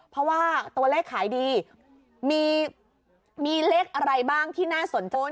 เพราะว่าตัวเลขขายดีมีเลขอะไรบ้างที่น่าสนใจ